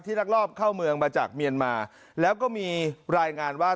ลักลอบเข้าเมืองมาจากเมียนมาแล้วก็มีรายงานว่า